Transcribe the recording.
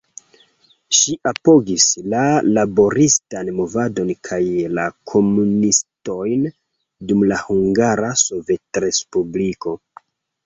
Ŝi apogis la laboristan movadon kaj la komunistojn dum la Hungara Sovetrespubliko.